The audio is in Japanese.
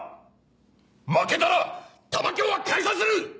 負けたら玉響は解散する！